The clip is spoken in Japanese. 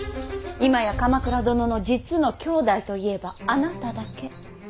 今や鎌倉殿の実の兄弟といえばあなただけ。